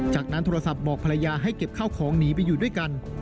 จากนั้นโทรศัพท์บอกภรรยาให้เก็บข้าวของหนีไปอยู่ด้วยกัน